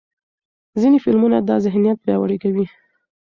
ځینې فلمونه دا ذهنیت پیاوړی کوي.